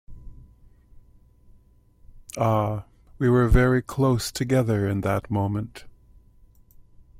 Ah, we were very close together in that moment.